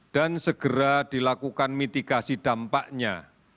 dan segera dilakukan mitigasi dampaknya